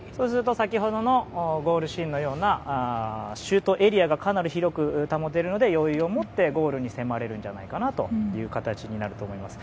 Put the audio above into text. ゴールシーンのようなシュートエリアがかなり広く保てるので余裕を持ってゴールに迫れるんじゃないかなという形になると思います。